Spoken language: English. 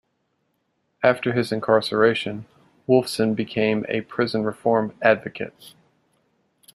After his incarceration, Wolfson became a prison-reform advocate.